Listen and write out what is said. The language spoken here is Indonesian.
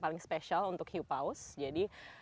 paling spesial untuk hiupaus jadi